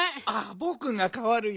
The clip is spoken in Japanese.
ぼくがかわるよ。